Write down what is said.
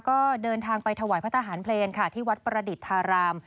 ก็เดินทางไปถวายพระทหารเพลงค่ะที่วัดประดิษฐาราม